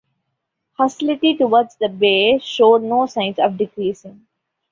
Hostility towards the Bey showed no signs of decreasing.